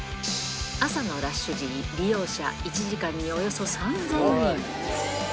朝のラッシュ時に利用者、１時間におよそ３０００人。